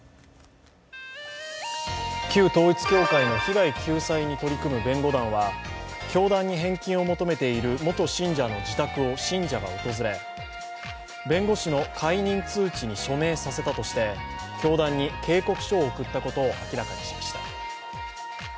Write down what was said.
旧統一教会の被害救済に取り組む弁護団は、教団に返金を求めている元信者の自宅を信者が訪れ、弁護士の解任通知に署名させたとして、教団に警告書を送ったことを明らかにしました。